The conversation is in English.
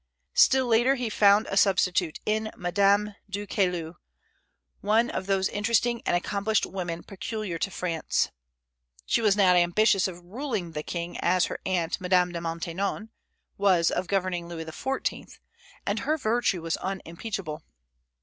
Still later he found a substitute in Madame du Caylus, one of those interesting and accomplished women peculiar to France. She was not ambitious of ruling the king, as her aunt, Madame de Maintenon, was of governing Louis XIV., and her virtue was unimpeachable.